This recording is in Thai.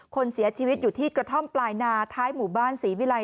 คนเสียชีวิตอยู่ที่กระท่อมปลายนาท้ายหมู่บ้านศรีวิลัย